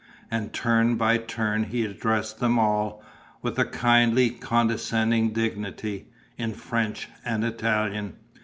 And turn by turn he addressed them all, with a kindly, condescending dignity, in French and Italian.